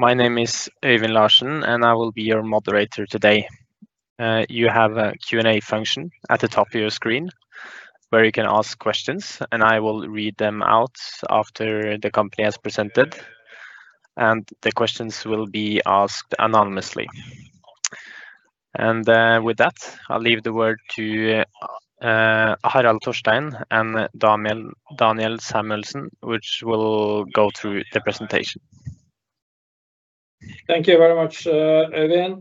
My name is Øyvind Larsen, and I will be your moderator today. You have a Q&A function at the top of your screen where you can ask questions, and I will read them out after the company has presented. The questions will be asked anonymously. With that, I'll leave the word to Harald Thorstein and Daniel Samuelsen, which will go through the presentation. Thank you very much, Øyvind.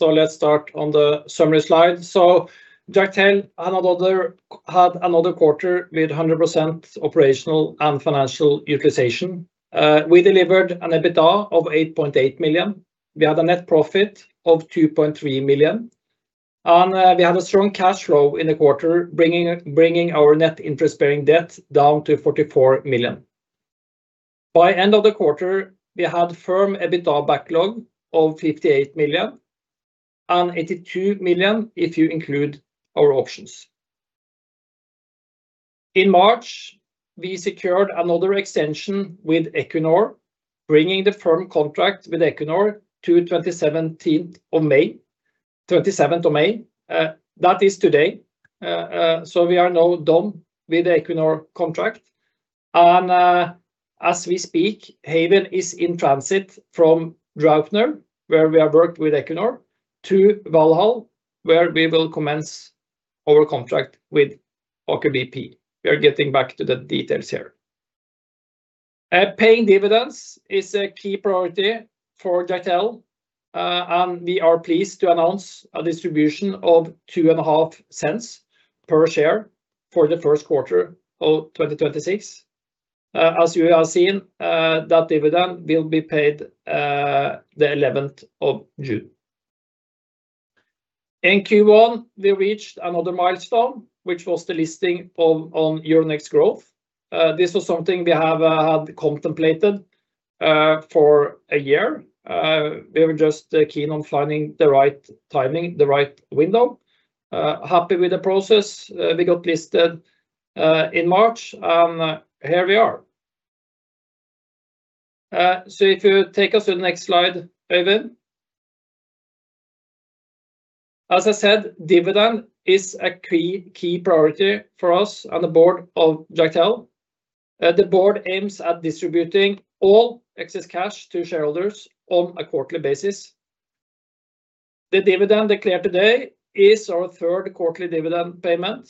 Let's start on the summary slide. Jacktel had another quarter with 100% operational and financial utilization. We delivered an EBITDA of $8.8 million. We had a net profit of $2.3 million. We had a strong cash flow in the quarter, bringing our net interest-bearing debt down to $44 million. By end of the quarter, we had firm EBITDA backlog of $58 million and $82 million if you include our options. In March, we secured another extension with Equinor, bringing the firm contract with Equinor to 27th of May. That is today. We are now done with the Equinor contract. As we speak, Haven is in transit from Draupner, where we have worked with Equinor, to Valhall, where we will commence our contract with Aker BP. We are getting back to the details here. Paying dividends is a key priority for Jacktel, and we are pleased to announce a distribution of $0.025 per share for the first quarter of 2026. As you are seeing, that dividend will be paid on the 11th of June. In Q1, we reached another milestone, which was the listing on Euronext Growth. This was something we have had contemplated for a year. We were just keen on finding the right timing, the right window. Happy with the process. We got listed in March, and here we are. If you take us to the next slide, Øyvind. As I said, dividend is a key priority for us on the board of Jacktel. The board aims at distributing all excess cash to shareholders on a quarterly basis. The dividend declared today is our third quarterly dividend payment.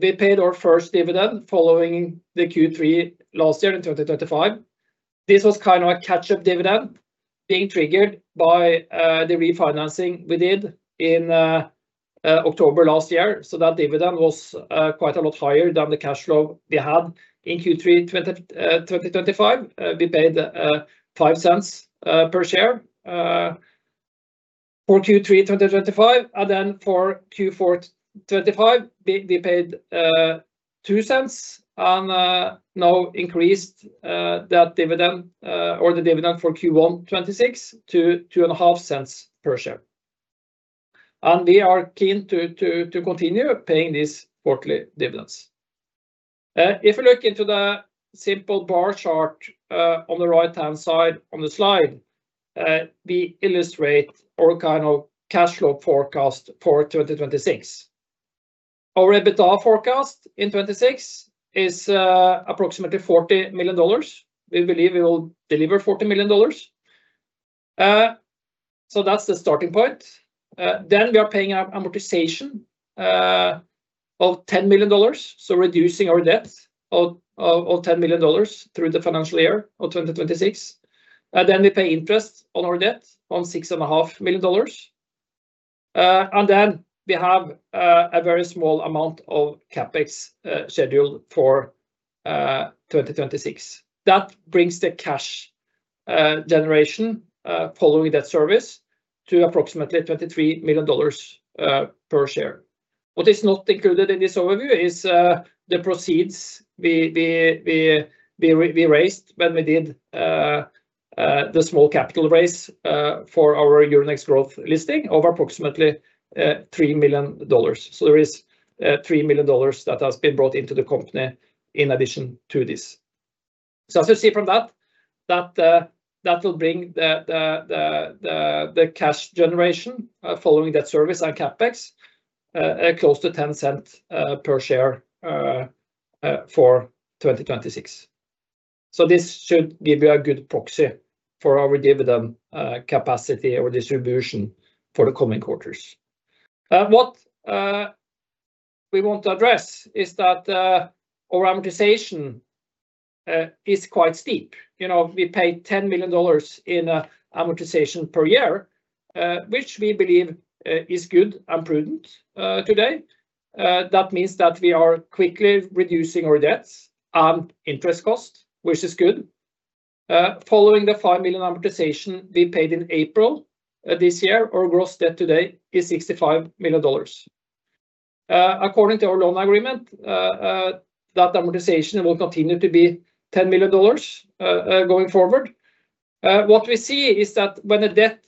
We paid our first dividend following the Q3 last year in 2025. This was kind of a catch-up dividend being triggered by the refinancing we did in October last year. That dividend was quite a lot higher than the cash flow we had in Q3 2025. We paid $0.05 per share for Q3 2025, for Q4 2025, we paid $0.02 and now increased that dividend or the dividend for Q1 2026 to $0.025 per share. We are keen to continue paying these quarterly dividends. If you look into the simple bar chart on the right-hand side on the slide, we illustrate our kind of cash flow forecast for 2026. Our EBITDA forecast in 2026 is approximately $40 million. We believe we will deliver $40 million. That's the starting point. We are paying amortization of $10 million, so reducing our debt of $10 million through the financial year of 2026. We pay interest on our debt on $6.5 million. We have a very small amount of CapEx scheduled for 2026. That brings the cash generation following that service to approximately $23 million per share. What is not included in this overview is the proceeds we raised when we did the small capital raise for our Euronext Growth listing of approximately $3 million. There is $3 million that has been brought into the company in addition to this. As you see from that will bring the cash generation following that service on CapEx close to $0.10 per share for 2026. This should give you a good proxy for our dividend capacity or distribution for the coming quarters. What we want to address is that our amortization is quite steep. We pay $10 million in amortization per year, which we believe is good and prudent today. That means that we are quickly reducing our debts and interest cost, which is good. Following the $5 million amortization we paid in April this year, our gross debt today is $65 million. According to our loan agreement, that amortization will continue to be $10 million going forward. What we see is that when the debt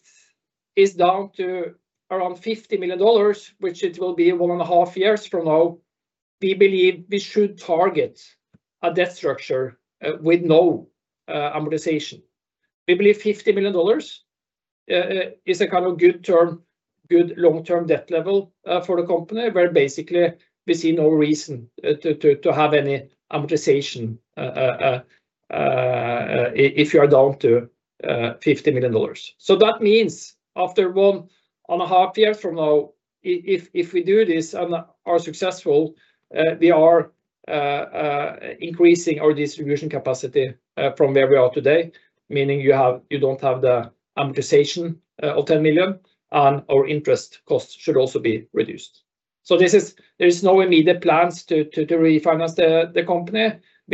is down to around $50 million, which it will be 1.5 years from now, we believe we should target a debt structure with no amortization. We believe $50 million is a good long-term debt level for the company, where basically we see no reason to have any amortization if you are down to $50 million. That means after 1.5 years from now, if we do this and are successful, we are increasing our distribution capacity from where we are today, meaning you don't have the amortization of $10 million, and our interest costs should also be reduced. We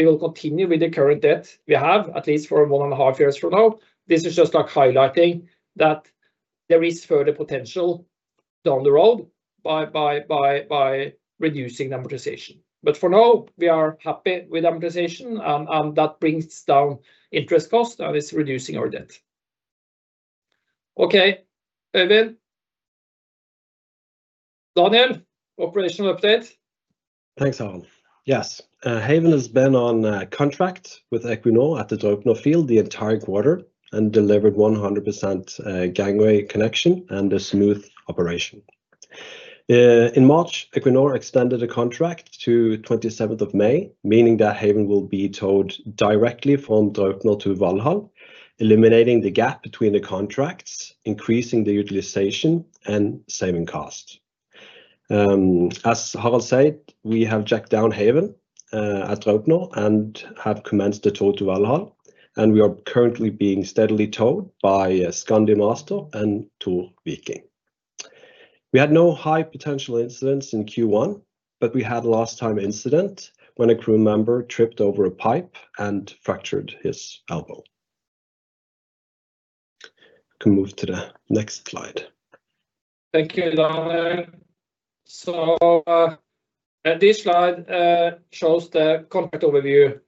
will continue with the current debt we have at least for 1.5 years from now. This is just highlighting that there is further potential down the road by reducing amortization. For now, we are happy with amortization, and that brings down interest cost and is reducing our debt. Okay. Øyvind. Daniel, operational update. Thanks, Harald. Yes. Haven has been on contract with Equinor at the Draupner field the entire quarter and delivered 100% gangway connection and a smooth operation. In March, Equinor extended the contract to 27th of May, meaning that Haven will be towed directly from Draupner to Valhall, eliminating the gap between the contracts, increasing the utilization, and saving cost. As Harald said, we have jacked down Haven at Draupner and have commenced the tow to Valhall, and we are currently being steadily towed by Skandi Master and Thor Viking. We had no high potential incidents in Q1, but we had a lost time incident when a crew member tripped over a pipe and fractured his elbow. Can move to the next slide. Thank you, Daniel. This slide shows the contract overview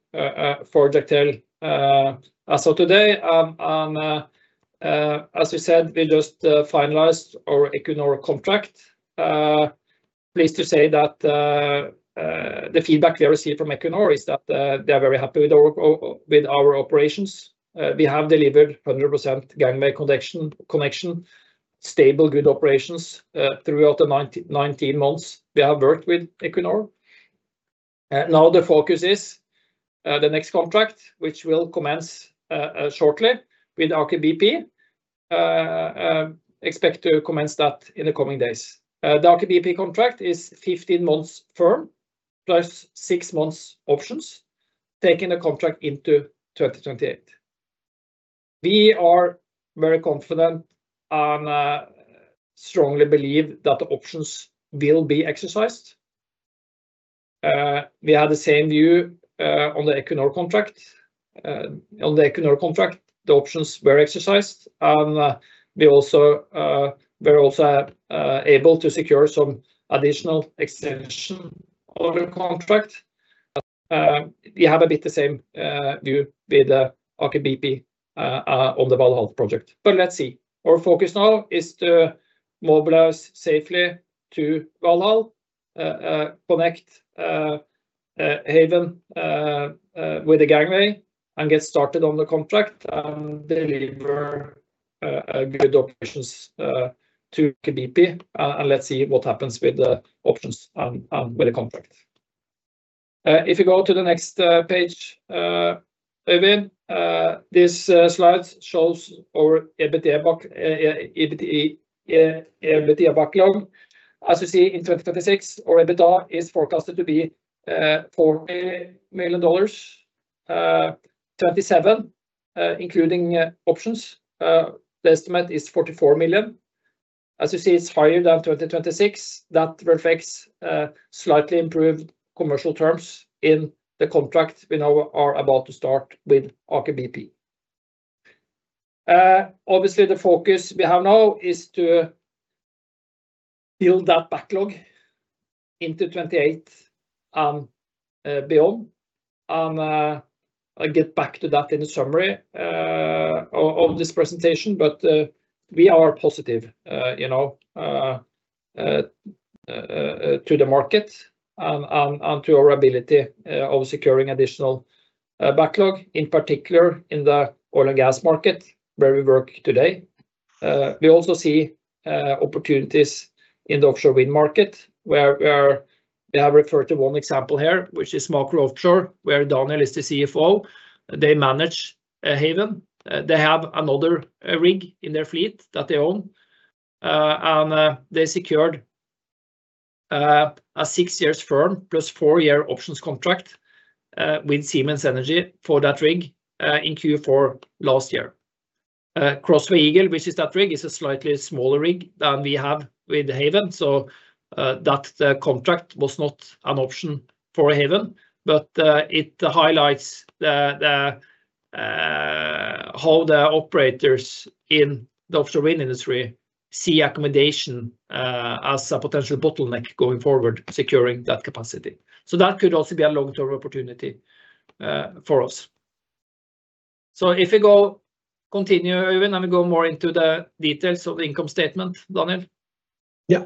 for Jacktel. As of today, as we said, we just finalized our Equinor contract. Pleased to say that the feedback we have received from Equinor is that they are very happy with our operations. We have delivered 100% gangway connection, stable good operations throughout the 19 months we have worked with Equinor. Now the focus is the next contract, which will commence shortly with Aker BP. Expect to commence that in the coming days. The Aker BP contract is 15 months firm plus six months options, taking the contract into 2028. We are very confident and strongly believe that the options will be exercised. We have the same view on the Equinor contract. On the Equinor contract, the options were exercised, and we were also able to secure some additional extension on the contract. We have a bit the same view with Aker BP on the Valhall project. Let's see. Our focus now is to mobilize safely to Valhall, connect Haven with the gangway and get started on the contract and deliver good operations to Aker BP, let's see what happens with the options and with the contract. If you go to the next page, Øyvind, this slide shows our EBITDA backlog. You see in 2026, our EBITDA is forecasted to be $40 million. 2027, including options, the estimate is $44 million. You see, it's higher than 2026. That reflects slightly improved commercial terms in the contract we now are about to start with Aker BP. Obviously, the focus we have now is to build that backlog into 2028 and beyond, I'll get back to that in the summary of this presentation. We are positive to the market and to our ability of securing additional backlog, in particular in the oil and gas market where we work today. We also see opportunities in the offshore wind market, where we have referred to one example here, which is Macro Offshore, where Daniel is the CFO. They manage Haven. They have another rig in their fleet that they own. They secured a six years firm plus four-year options contract with Siemens Energy for that rig in Q4 last year. Crossway Eagle, which is that rig, is a slightly smaller rig than we have with Haven, so that contract was not an option for Haven. It highlights how the operators in the offshore wind industry see accommodation as a potential bottleneck going forward, securing that capacity. That could also be a long-term opportunity for us. If we go, continue Øyvind, and we go more into the details of the income statement, Daniel. Yeah.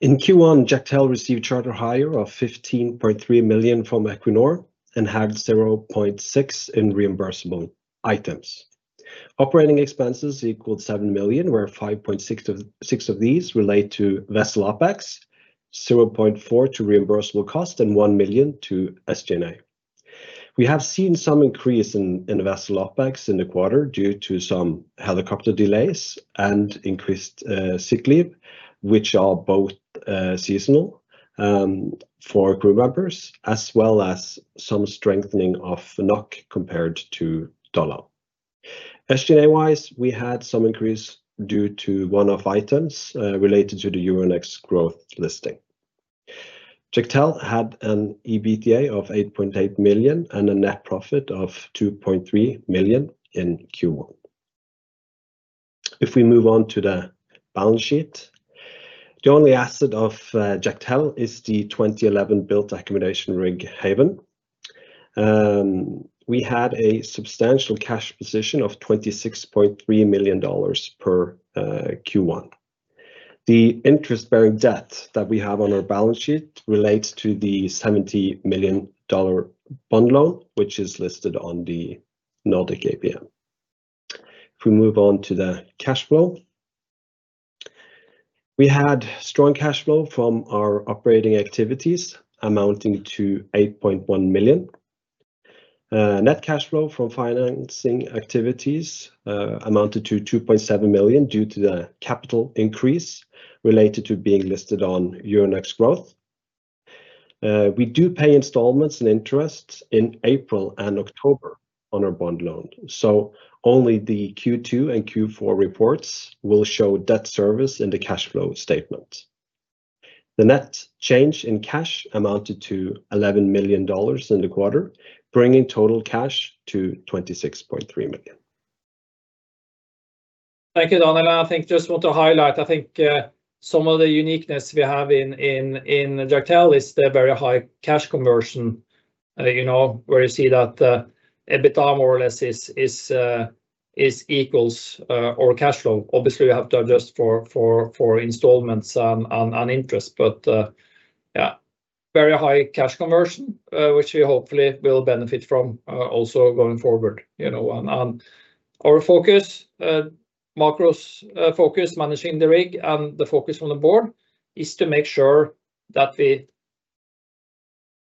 In Q1, Jacktel received charter hire of $15.3 million from Equinor and had $0.6 in reimbursable items. Operating expenses equaled $7 million, where $5.6 of these relate to vessel OpEx, $0.4 to reimbursable cost, and $1 million to SG&A. We have seen some increase in vessel OpEx in the quarter due to some helicopter delays and increased sick leave, which are both seasonal for crew members, as well as some strengthening of NOK compared to dollar. SG&A-wise, we had some increase due to one-off items related to the Euronext Growth listing. Jacktel had an EBITDA of $8.8 million and a net profit of $2.3 million in Q1. We move on to the balance sheet, the only asset of Jacktel is the 2011-built accommodation rig, Haven. We had a substantial cash position of $26.3 million per Q1. The interest-bearing debt that we have on our balance sheet relates to the $70 million bond loan, which is listed on the Nordic ABM. If we move on to the cash flow, we had strong cash flow from our operating activities amounting to $8.1 million. Net cash flow from financing activities amounted to $2.7 million due to the capital increase related to being listed on Euronext Growth. We do pay installments and interests in April and October on our bond loan, so only the Q2 and Q4 reports will show debt service in the cash flow statement. The net change in cash amounted to $11 million in the quarter, bringing total cash to $26.3 million. Thank you, Daniel. I think just want to highlight, I think some of the uniqueness we have in Jacktel is the very high cash conversion, where you see that EBITDA more or less is equals or cash flow. Obviously, we have to adjust for installments on interest, but yeah, very high cash conversion, which we hopefully will benefit from also going forward. Our focus, Macro's focus managing the rig and the focus on the board is to make sure that we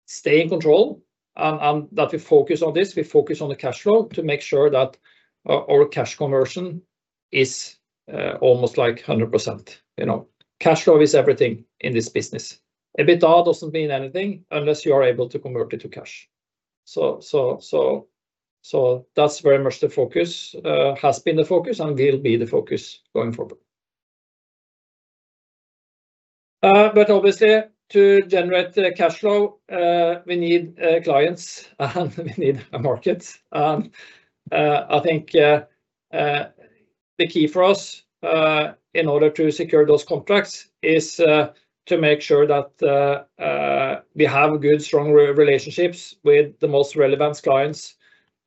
stay in control and that we focus on this, we focus on the cash flow to make sure that our cash conversion is almost like 100%. Cash flow is everything in this business. EBITDA doesn't mean anything unless you are able to convert it to cash. That's very much the focus, has been the focus, and will be the focus going forward. Obviously, to generate the cash flow, we need clients, and we need a market. I think the key for us, in order to secure those contracts, is to make sure that we have good, strong relationships with the most relevant clients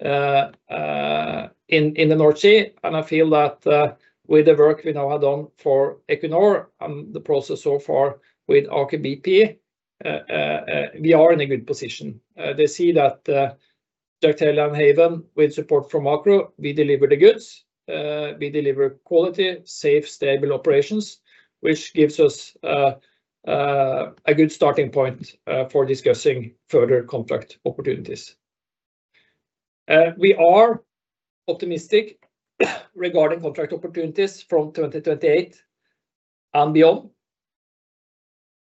in the North Sea. I feel that with the work we now have done for Equinor and the process so far with Aker BP, we are in a good position. They see that Jacktel and Haven, with support from Macro, we deliver the goods. We deliver quality, safe, stable operations, which gives us a good starting point for discussing further contract opportunities. We are optimistic regarding contract opportunities from 2028 and beyond.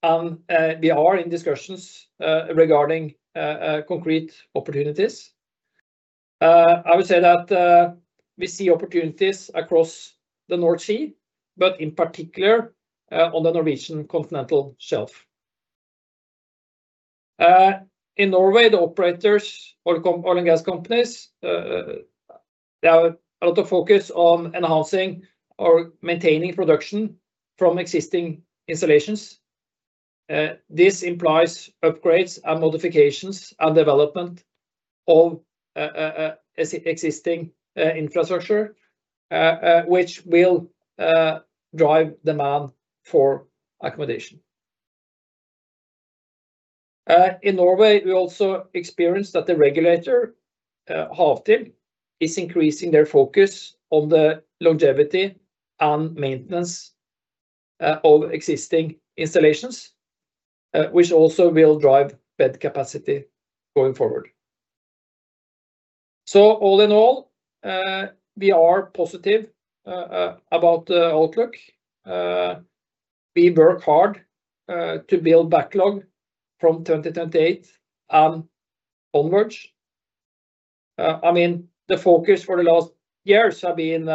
We are in discussions regarding concrete opportunities. I would say that we see opportunities across the North Sea, but in particular, on the Norwegian Continental Shelf. In Norway, the operators or oil and gas companies, they are out of focus on enhancing or maintaining production from existing installations. This implies upgrades and modifications and development of existing infrastructure, which will drive demand for accommodation. In Norway, we also experienced that the regulator, Havtil, is increasing their focus on the longevity and maintenance of existing installations, which also will drive bed capacity going forward. All in all, we are positive about the outlook. We work hard to build backlog from 2028 onwards. The focus for the last years have been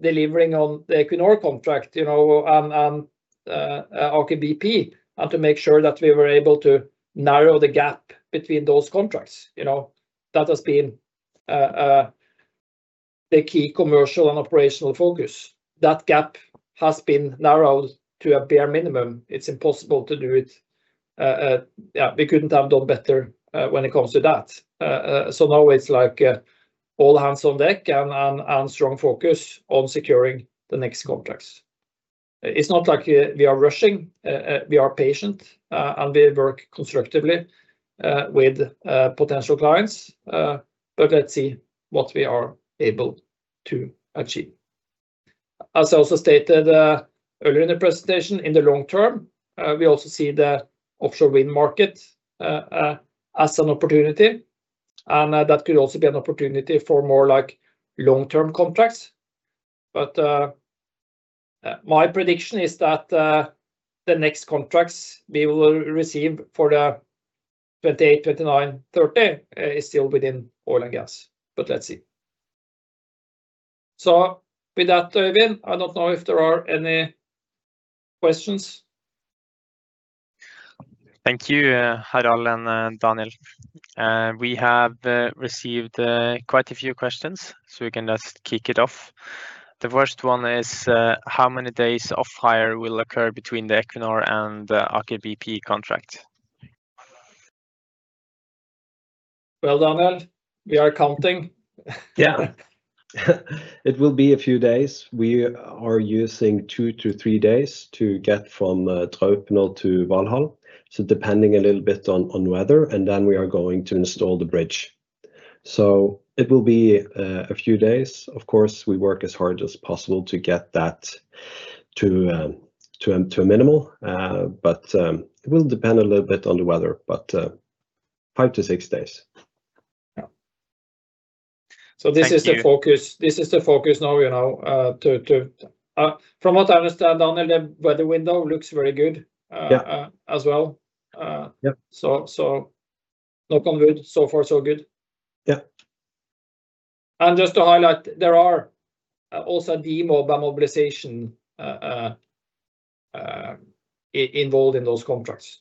delivering on the Equinor contract, and Aker BP, and to make sure that we were able to narrow the gap between those contracts. That has been the key commercial and operational focus. That gap has been narrowed to a bare minimum. It's impossible to do it. We couldn't have done better when it comes to that. Now it's all hands on deck and strong focus on securing the next contracts. It's not like we are rushing. We are patient, and we work constructively with potential clients, but let's see what we are able to achieve. As I also stated earlier in the presentation, in the long term, we also see the offshore wind market, as an opportunity, and that could also be an opportunity for more long-term contracts. My prediction is that the next contracts we will receive for the 2028, 2029, 2030 is still within oil and gas, but let's see. With that, Øyvind, I don't know if there are any questions. Thank you, Harald and Daniel. We have received quite a few questions, so we can just kick it off. The first one is, how many days of hire will occur between the Equinor and Aker BP contract? Well, Daniel, we are counting. It will be a few days. We are using two to three days to get from Draupner to Valhall, depending a little bit on weather, and then we are going to install the bridge. It will be a few days. Of course, we work as hard as possible to get that to a minimal, but it will depend a little bit on the weather, but five to six days. Thank you. This is the focus now. From what I understand, Daniel, the weather window looks very good- Yeah.... as well. Yep. Knock on wood. So far, so good. Yeah. Just to highlight, there are also demob or mobilization involved in those contracts.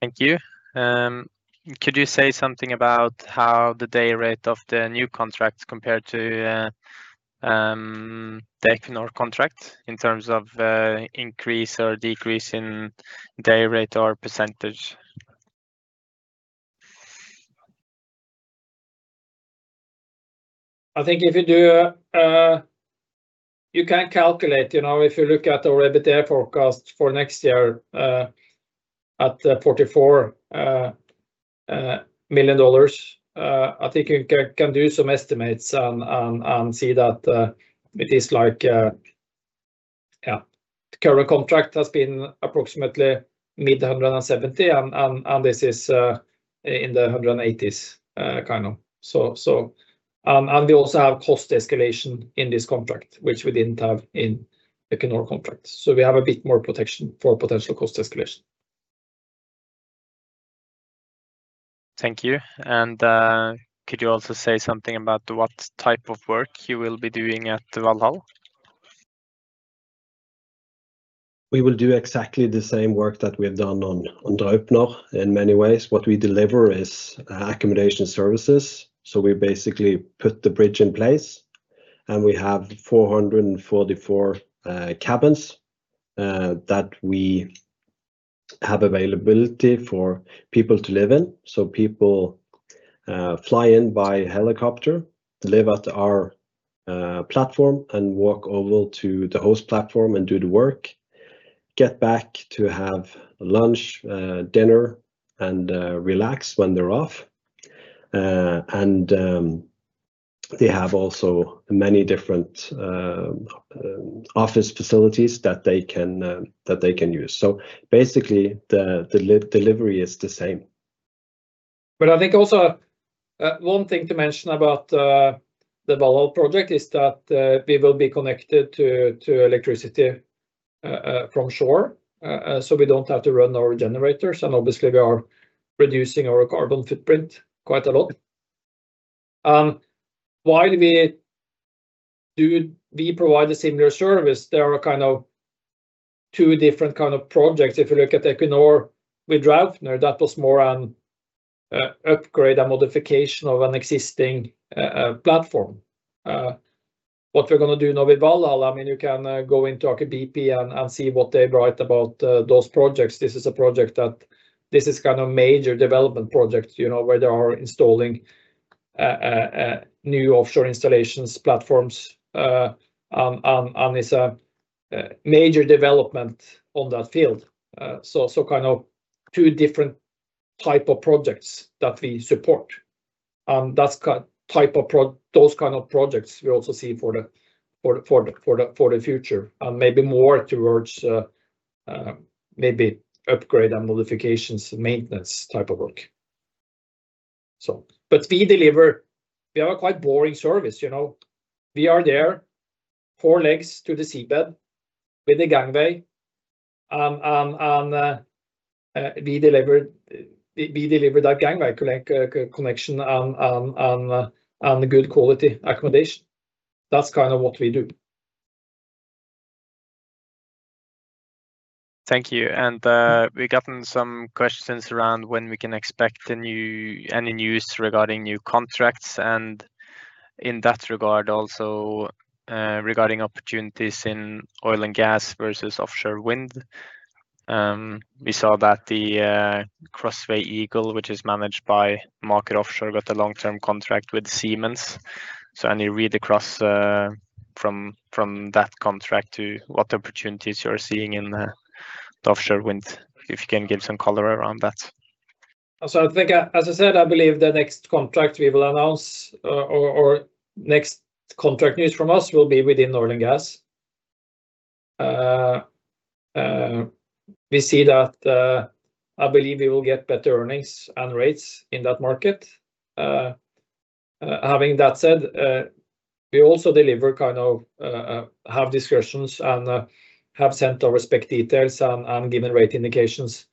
Thank you. Could you say something about how the day rate of the new contracts compare to the Equinor contract in terms of increase or decrease in day rate or percentage? I think if you do, you can calculate. If you look at our EBITDA forecast for next year at $44 million, I think you can do some estimates and see that it is like. yeah. The current contract has been approximately mid $170,000, and this is in the $180,000, kind of. We also have cost escalation in this contract, which we didn't have in Equinor contracts. We have a bit more protection for potential cost escalation. Thank you. Could you also say something about what type of work you will be doing at Valhall? We will do exactly the same work that we have done on Draupner in many ways. What we deliver is accommodation services. We basically put the bridge in place, and we have 444 cabins that we have availability for people to live in. People fly in by helicopter, live at our platform and walk over to the host platform and do the work, get back to have lunch, dinner, and relax when they're off. They have also many different office facilities that they can use. Basically, the delivery is the same. I think also one thing to mention about the Valhall project is that we will be connected to electricity from shore, so we don't have to run our generators, and obviously we are reducing our carbon footprint quite a lot. While we provide a similar service, there are two different kind of projects. If you look at Equinor with Draupner, that was more an upgrade and modification of an existing platform. What we're going to do now with Valhall, you can go into Aker BP and see what they write about those projects. This is a major development project, where they are installing new offshore installations, platforms, and it's a major development on that field. Two different type of projects that we support. Those kind of projects we also see for the future, and maybe more towards maybe upgrade and modifications, maintenance type of work. We have a quite boring service. We are there, four legs to the seabed with a gangway, and we deliver that gangway connection and good quality accommodation. That's kind of what we do. Thank you. We've gotten some questions around when we can expect any news regarding new contracts, and in that regard, also regarding opportunities in oil and gas versus offshore wind. We saw that the Crossway Eagle, which is managed by Macro Offshore, got the long-term contract with Siemens. Any read across from that contract to what opportunities you're seeing in the offshore wind? If you can give some color around that. I think, as I said, I believe the next contract we will announce or next contract news from us will be within oil and gas. I believe we will get better earnings and rates in that market. Having that said, we also have discussions and have sent our spec details and given rate indications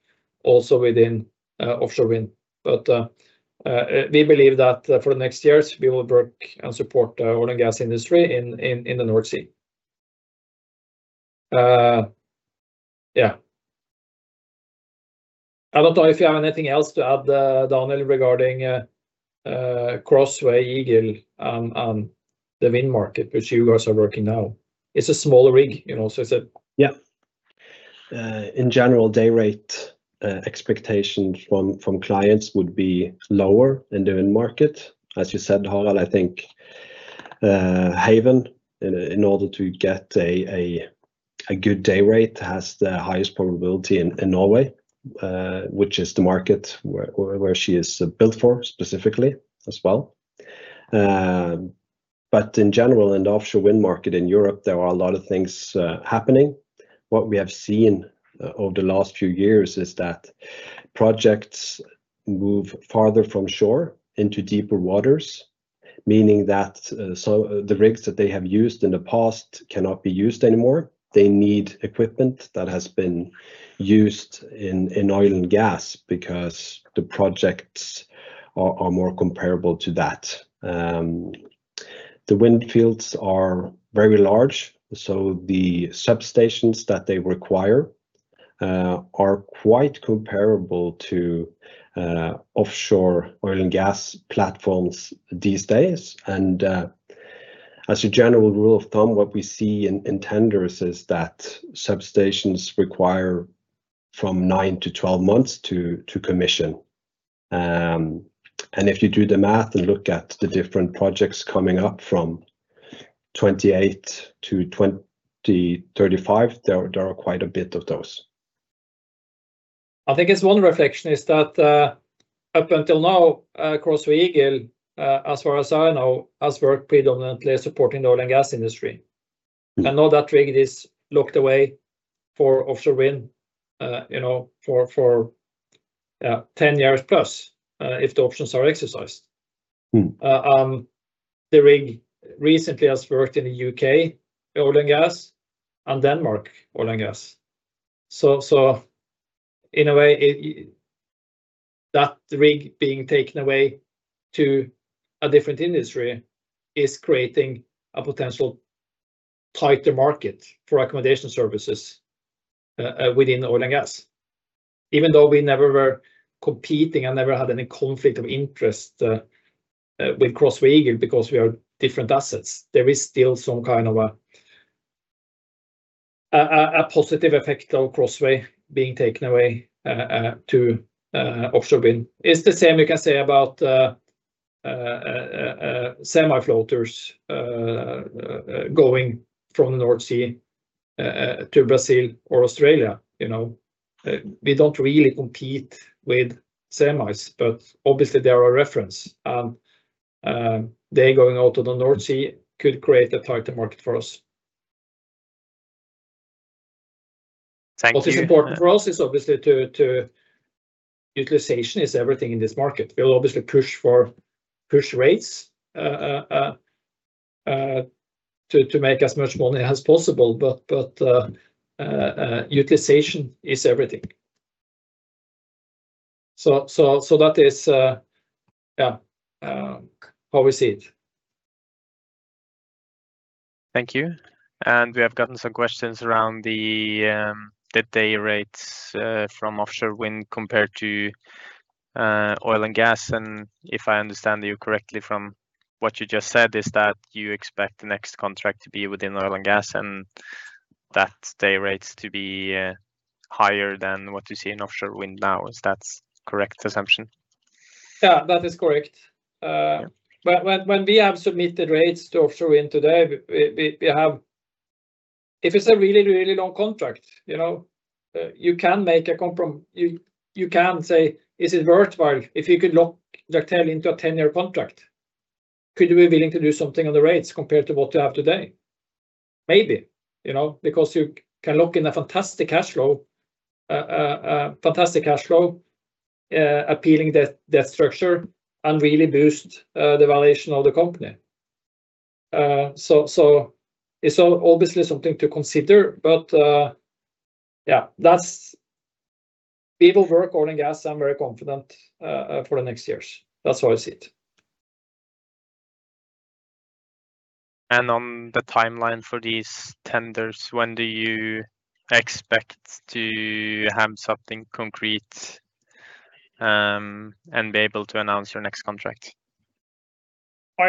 also within offshore wind. We believe that for the next years, we will work and support the oil and gas industry in the North Sea. Yeah. I don't know if you have anything else to add, Daniel, regarding Crossway Eagle and the wind market, which you guys are working now. It's a smaller rig. Yeah. In general, day rate expectation from clients would be lower in the wind market. As you said, Harald, I think Haven, in order to get a good day rate, has the highest probability in Norway, which is the market where she is built for specifically as well. In general, in the offshore wind market in Europe, there are a lot of things happening. What we have seen over the last few years is that projects move farther from shore into deeper waters, meaning that the rigs that they have used in the past cannot be used anymore. They need equipment that has been used in oil and gas because the projects are more comparable to that. The wind fields are very large, so the substations that they require are quite comparable to offshore oil and gas platforms these days. As a general rule of thumb, what we see in tenders is that substations require from 9-12 months to commission. If you do the math and look at the different projects coming up from 2028 to 2035, there are quite a bit of those. I think it's one reflection is that up until now, Crossway Eagle, as far as I know, has worked predominantly supporting the oil and gas industry. Now that rig is locked away for offshore wind for 10+ years, if the options are exercised. The rig recently has worked in the U.K. oil and gas, and Denmark oil and gas. In a way, that rig being taken away to a different industry is creating a potential tighter market for accommodation services within oil and gas. Even though we never were competing and never had any conflict of interest with Crossway Eagle because we are different assets, there is still some kind of a positive effect of Crossway being taken away to offshore wind. It's the same we can say about semi floaters going from the North Sea to Brazil or Australia. We don't really compete with semis, but obviously they are a reference. They going out to the North Sea could create a tighter market for us. Thank you. What is important for us is obviously utilization is everything in this market. We'll obviously push rates to make as much money as possible, but utilization is everything. That is how we see it. Thank you. We have gotten some questions around the day rates from offshore wind compared to oil and gas, and if I understand you correctly from what you just said, is that you expect the next contract to be within oil and gas, and that day rates to be higher than what you see in offshore wind now. Is that correct assumption? Yeah, that is correct. When we have submitted rates to offshore wind today, if it's a really long contract, you can say, "Is it worthwhile if you could lock Jacktel into a 10-year contract? Could you be willing to do something on the rates compared to what you have today?" Maybe. Because you can lock in a fantastic cash flow, appealing debt structure, and really boost the valuation of the company. It's obviously something to consider, but people work oil and gas. I'm very confident for the next years. That's how I see it. On the timeline for these tenders, when do you expect to have something concrete, and be able to announce your next contract? There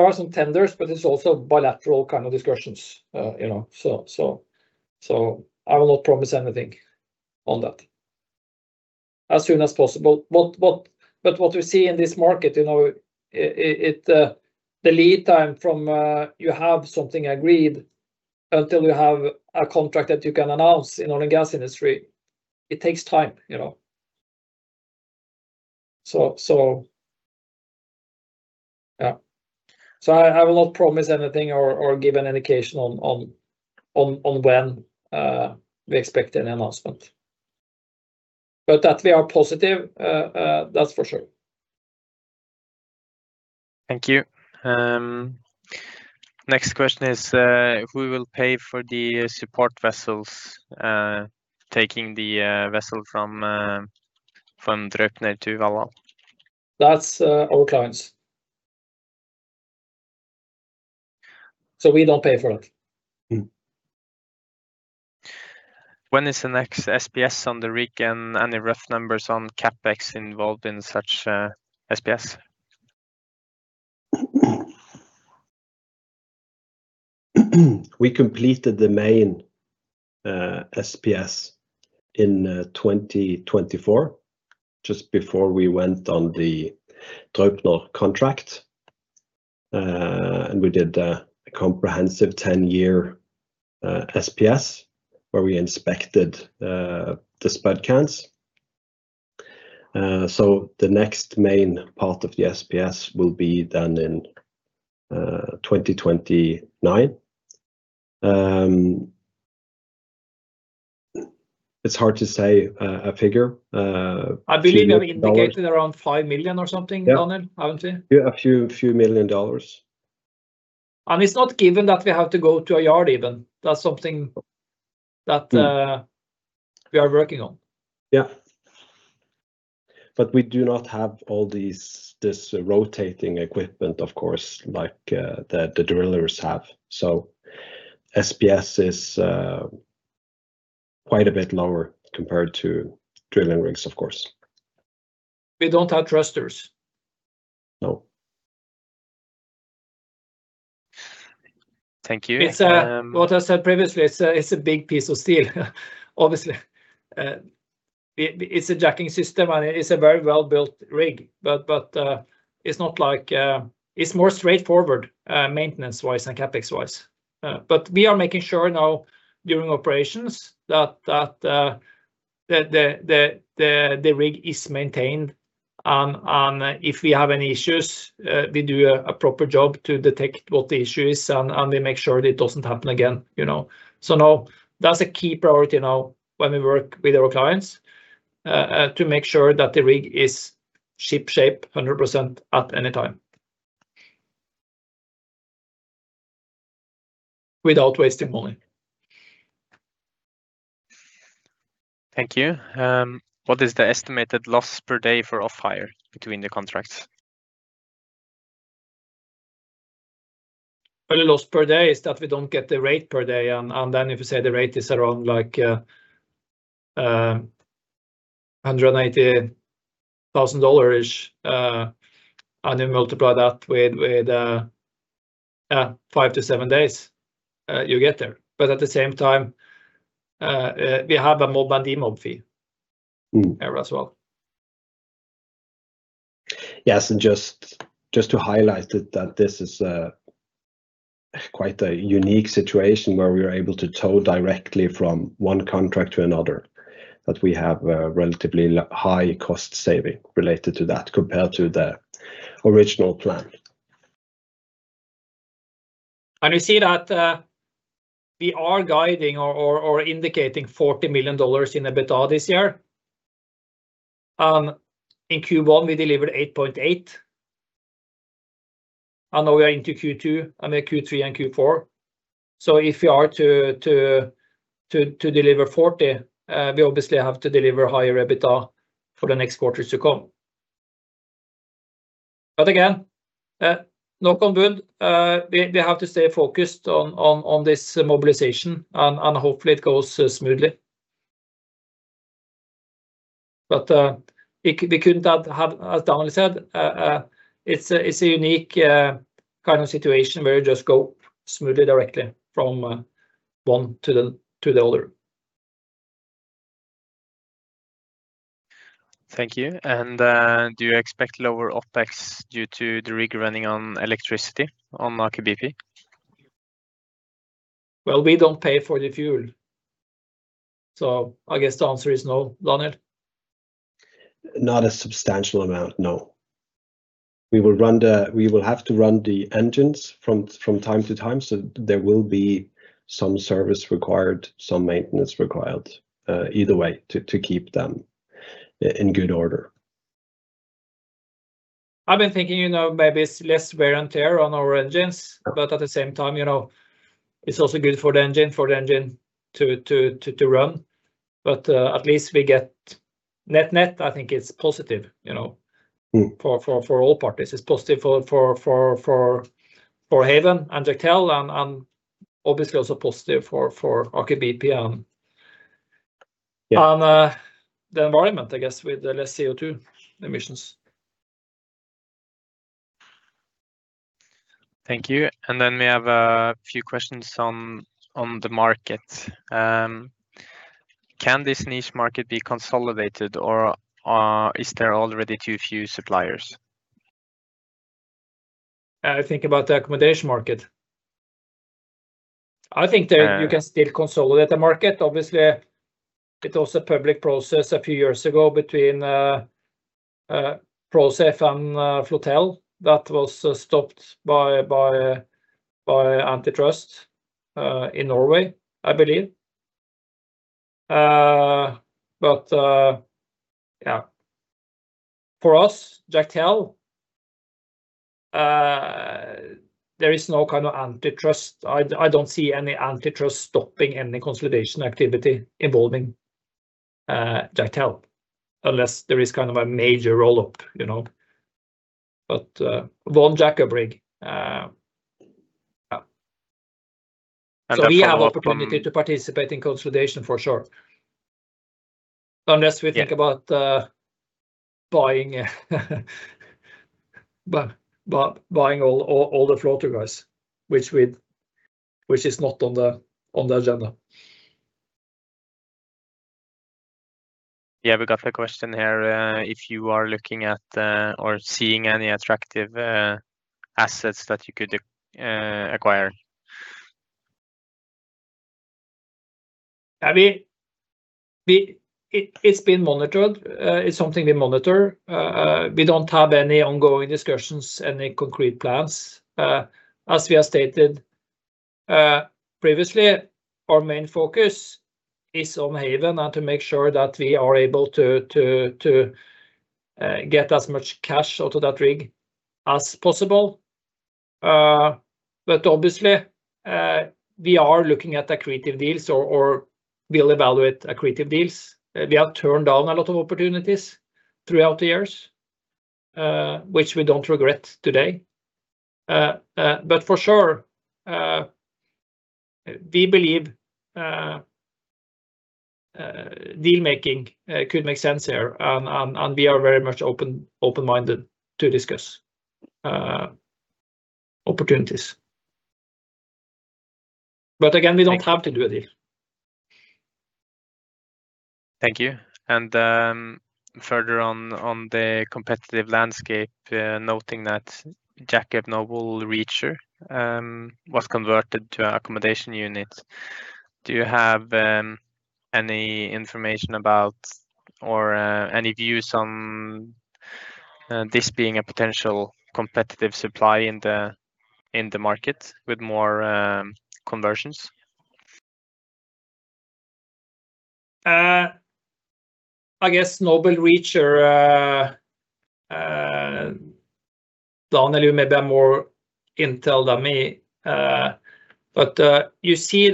are some tenders, but it is also bilateral kind of discussions. I will not promise anything on that. As soon as possible. What we see in this market, the lead time from you have something agreed until you have a contract that you can announce in oil and gas industry, it takes time. I will not promise anything or give an indication on when we expect any announcement. That we are positive, that is for sure. Thank you. Next question is, who will pay for the support vessels, taking the vessel from Draupner to Valhall? That's our clients. We don't pay for it. When is the next SPS on the rig and any rough numbers on CapEx involved in such SPS? We completed the main SPS in 2024, just before we went on the Draupner contract. We did a comprehensive 10-year SPS where we inspected the spud cans. The next main part of the SPS will be done in 2029. It's hard to say a figure. I believe you have indicated around $5 million or something, Daniel, haven't you? Yeah, a few million dollars. It's not given that we have to go to a yard even. That's something that we are working on. Yeah. We do not have all this rotating equipment, of course, like the drillers have. SPS is quite a bit lower compared to drilling rigs, of course. We don't have thrusters. No. Thank you. What I said previously, it's a big piece of steel, obviously. It's a jacking system, and it's a very well-built rig. It's more straightforward, maintenance-wise and CapEx-wise. We are making sure now during operations that the rig is maintained and if we have any issues, we do a proper job to detect what the issue is, and we make sure that it doesn't happen again. Now that's a key priority now when we work with our clients, to make sure that the rig is shipshape 100% at any time. Without wasting money. Thank you. What is the estimated loss per day for off-hire between the contracts? Well, the loss per day is that we don't get the rate per day, and then if you say the rate is around $180,000-ish, and you multiply that with five to seven days, you get there. At the same time, we have a mob and demob fee there as well. Yes, just to highlight that this is quite a unique situation where we are able to tow directly from one contract to another, that we have a relatively high cost saving related to that compared to the original plan. We see that we are guiding or indicating $40 million in EBITDA this year. In Q1, we delivered $8.8 million. Now we are into Q2 and then Q3 and Q4. If we are to deliver $40 million, we obviously have to deliver higher EBITDA for the next quarters to come. Again, knock on wood, we have to stay focused on this mobilization, and hopefully it goes smoothly. We could not have, as Daniel said, it's a unique kind of situation where you just go smoothly, directly from one to the other. Thank you. Do you expect lower OpEx due to the rig running on electricity on Aker BP? Well, we don't pay for the fuel, so I guess the answer is no. Daniel? Not a substantial amount, no. We will have to run the engines from time to time, so there will be some service required, some maintenance required, either way, to keep them in good order. I've been thinking, maybe it's less wear and tear on our engines, but at the same time, it's also good for the engine to run. At least we get net-net, I think it's positive for all parties. It's positive for Haven and Jacktel and obviously also positive for Aker BP and- Yeah.... the environment, I guess, with less CO2 emissions. Thank you. We have a few questions on the market. Can this niche market be consolidated, or is there already too few suppliers? I think about the accommodation market. I think that you can still consolidate the market, obviously it was a public process a few years ago between Prosafe and Floatel that was stopped by antitrust in Norway, I believe. Yeah. For us, Jacktel, there is no kind of antitrust. I don't see any antitrust stopping any consolidation activity involving Jacktel, unless there is a major roll-up. One jack-up rig. Yeah. We have opportunity to participate in consolidation for sure. Unless we think about buying all the floater guys, which is not on the agenda. Yeah, we got a question here. If you are looking at or seeing any attractive assets that you could acquire? It's something we monitor. We don't have any ongoing discussions, any concrete plans. As we have stated previously, our main focus is on Haven and to make sure that we are able to get as much cash out of that rig as possible. Obviously, we are looking at accretive deals, or we'll evaluate accretive deals. We have turned down a lot of opportunities throughout the years, which we don't regret today. For sure, we believe deal-making could make sense here, and we are very much open-minded to discuss opportunities. Again, we don't have to do a deal. Thank you. Further on the competitive landscape, noting that jackup Noble Reacher was converted to accommodation unit. Do you have any information about or any views on this being a potential competitive supply in the market with more conversions? I guess Noble Reacher, Daniel maybe have more intel than me. You see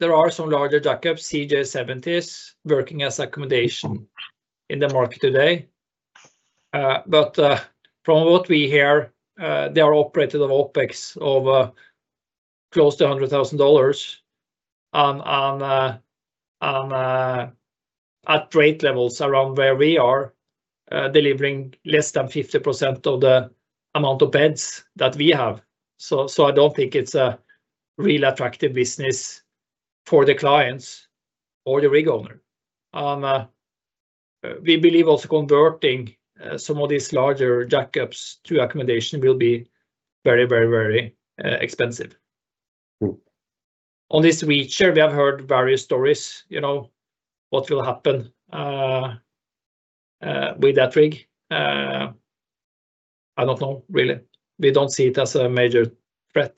there are some larger jackups, CJ70s, working as accommodation in the market today. From what we hear, they are operated on OpEx of close to $100,000, at rate levels around where we are, delivering less than 50% of the amount of beds that we have. I don't think it's a real attractive business for the clients or the rig owner. We believe also converting some of these larger jackups to accommodation will be very expensive. On this Reacher, we have heard various stories. What will happen with that rig? I don't know, really. We don't see it as a major threat.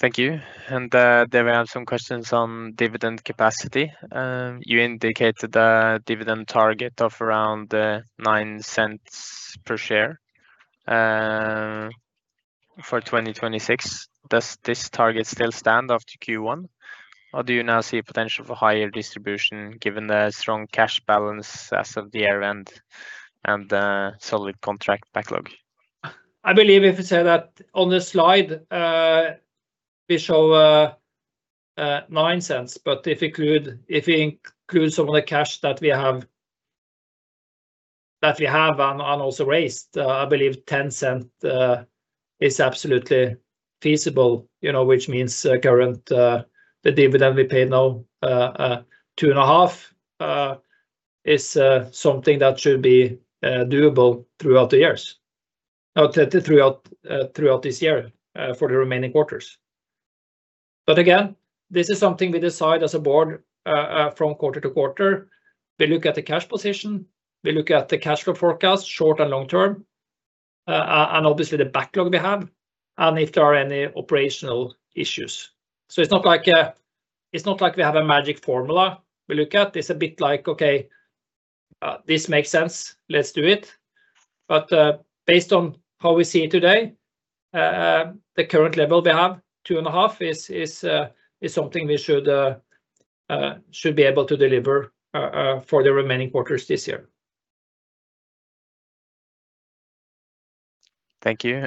Thank you. We have some questions on dividend capacity. You indicated a dividend target of around $0.09 per share for 2026. Does this target still stand after Q1, or do you now see potential for higher distribution given the strong cash balance as of year-end and solid contract backlog? I believe if you say that on the slide, we show $0.09, but if you include some of the cash that we have and also raised, I believe $0.10 is absolutely feasible, which means the dividend we pay now, $0.025, is something that should be doable throughout the years or throughout this year for the remaining quarters. Again, this is something we decide as a board from quarter to quarter. We look at the cash position, we look at the cash flow forecast, short and long term, and obviously the backlog we have and if there are any operational issues. It's not like we have a magic formula we look at. It's a bit like, okay. This makes sense. Let's do it. Based on how we see it today, the current level we have, $0.025, is something we should be able to deliver for the remaining quarters this year. Thank you.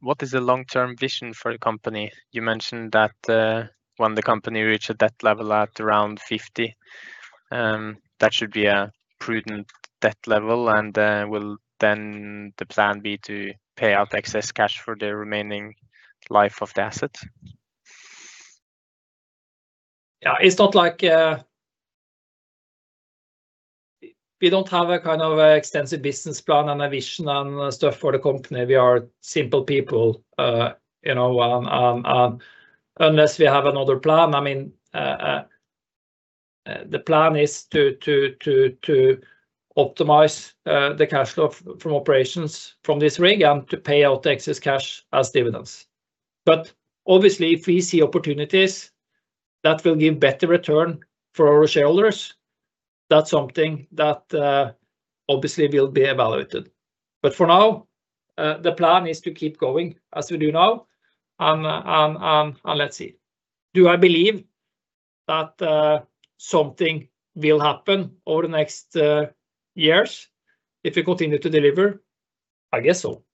What is the long-term vision for the company? You mentioned that when the company reach a debt level at around $50 million, that should be a prudent debt level. Will then the plan be to pay out excess cash for the remaining life of the asset? Yeah, we don't have a kind of extensive business plan and a vision and stuff for the company. We are simple people. Unless we have another plan, the plan is to optimize the cash flow from operations from this rig and to pay out excess cash as dividends. Obviously, if we see opportunities that will give better return for our shareholders, that's something that obviously will be evaluated. For now, the plan is to keep going as we do now, and let's see. Do I believe that something will happen over the next years if we continue to deliver? I guess so.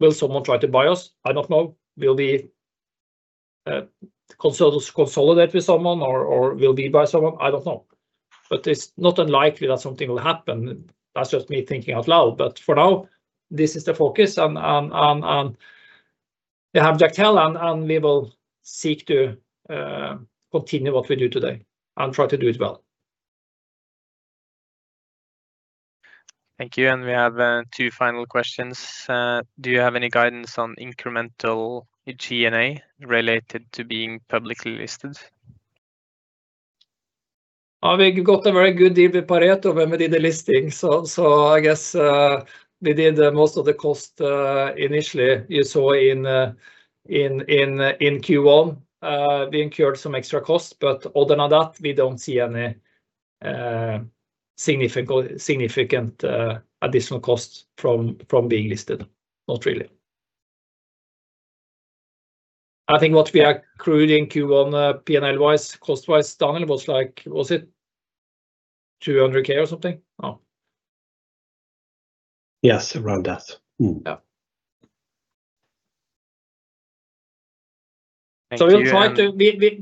Will someone try to buy us? I don't know. Will we consolidate with someone, or we'll be by someone? I don't know. It's not unlikely that something will happen. That's just me thinking out loud. For now, this is the focus, and we have Jacktel, and we will seek to continue what we do today and try to do it well. Thank you. We have two final questions. Do you have any guidance on incremental G&A related to being publicly listed? We got a very good deal with Pareto when we did the listing. I guess we did most of the cost initially. You saw in Q1 we incurred some extra costs. Other than that, we don't see any significant additional costs from being listed. Not really. I think what we accrued in Q1, P&L-wise, cost-wise, Daniel, was it $200,000 or something? Yes, around that. Yeah. Thank you.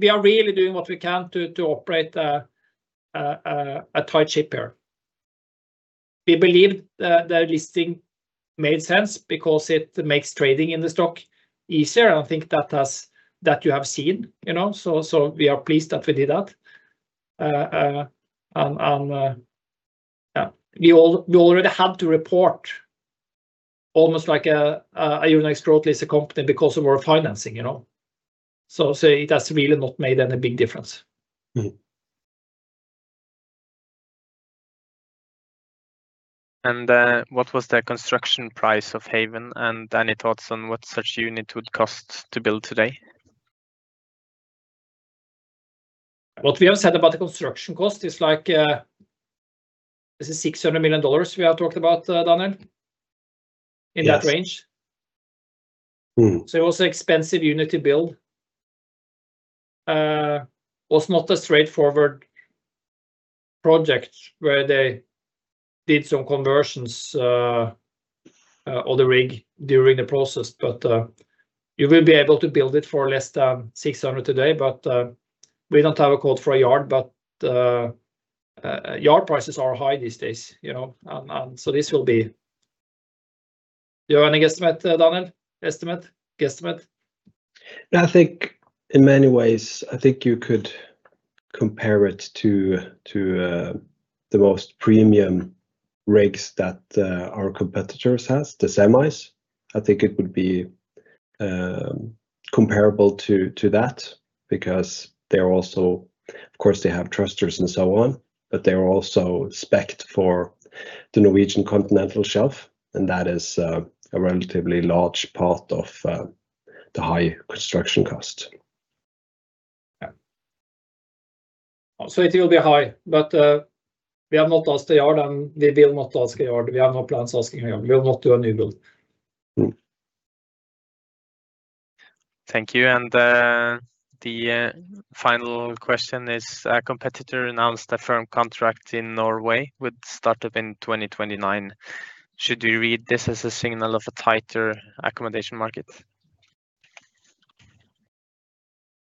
We are really doing what we can to operate a tight ship here. We believe the listing made sense because it makes trading in the stock easier. I think that you have seen. We are pleased that we did that. We already had to report almost like a Euronex-listed company] because of our financing. It has really not made any big difference. What was the construction price of Haven? Any thoughts on what such unit would cost to build today? What we have said about the construction cost is like $600 million we have talked about, Daniel? Yes. In that range. It was an expensive unit to build. Was not a straightforward project, where they did some conversions on the rig during the process. You will be able to build it for less than $600 million today, but we don't have a quote for a yard. Yard prices are high these days, and so this will be Do you have any estimate, Daniel? Estimate? Guesstimate? I think in many ways, I think you could compare it to the most premium rigs that our competitors has, the semis. I think it would be comparable to that because, of course, they have thrusters and so on, but they're also spec-ed for the Norwegian Continental Shelf. That is a relatively large part of the high construction cost. Yeah. It will be high, but we have not asked a yard, and we will not ask a yard. We have no plans asking a yard. We'll not do a new build. Thank you. The final question is, a competitor announced a firm contract in Norway with startup in 2029. Should we read this as a signal of a tighter accommodation market?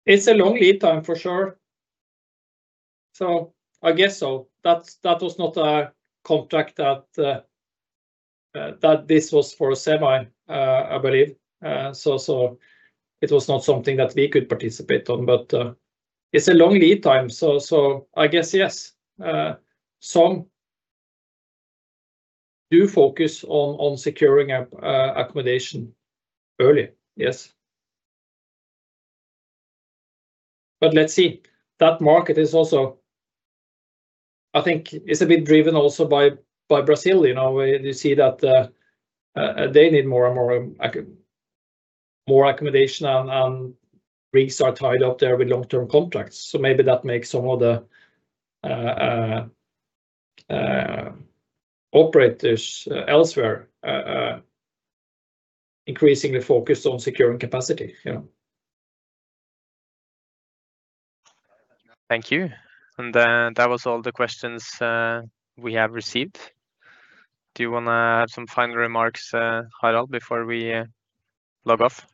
It's a long lead time, for sure. I guess so. That was not a contract that this was for a semi, I believe. It was not something that we could participate on, but it's a long lead time, so I guess yes. Some do focus on securing accommodation early, yes. Let's see. That market is also, I think, is a bit driven also by Brazil. You see that they need more and more accommodation, and rigs are tied up there with long-term contracts. Maybe that makes some of the operators elsewhere increasingly focused on securing capacity. Thank you. That was all the questions we have received. Do you want to add some final remarks, Harald, before we log off?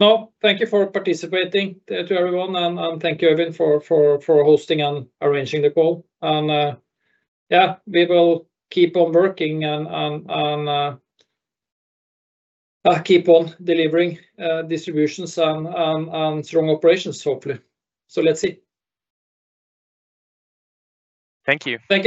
No. Thank you for participating to everyone, and thank you, Øyvind, for hosting and arranging the call. Yeah, we will keep on working and keep on delivering distributions and strong operations, hopefully. Let's see. Thank you. Thank you.